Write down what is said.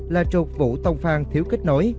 là trục vũ tông phan thiếu kết nối